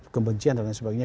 kebencian dan lain sebagainya